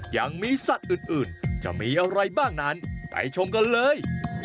ยังมีสัตว์อื่นจะมีอะไรบ้างนั้นไปชมกันเลย